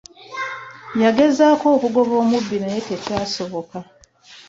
Yagezaako okugoba omubbi naye tekyasoboka.